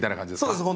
そうです。